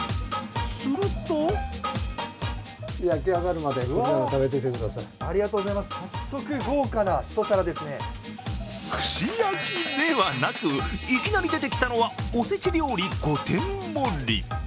すると串焼きではなく、いきなり出てきたのは、お節料理５点盛り。